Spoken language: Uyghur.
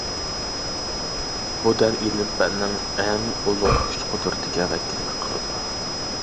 بۇ دەل ئىلىم-پەننىڭ ئەڭ ئۇلۇغ كۈچ-قۇدرىتىگە ۋەكىللىك قىلىدۇ.